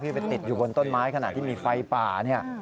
ที่ไปติดอยู่บนต้นไม้ขนาดที่มีไฟป่า